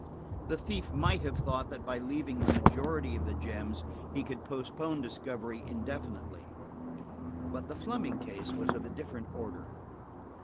The thief might have thought that by leaving the majority of the gems he could postpone discovery indefinitely. But the Fleming case was of a different order.